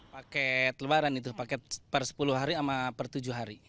paket lebaran itu paket per sepuluh hari sama per tujuh hari